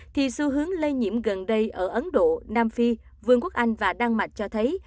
thì xu hướng lây nhiễm gần đây ở ấn độ nam phi vương quốc anh và đan mạch cho thấy